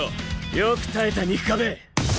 よく耐えた肉壁！